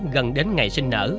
gần đến ngày sinh nở